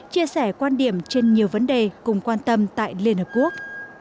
chia sẻ quan điểm trên nhiều vấn đề cùng quan tâm tại liên hợp quốc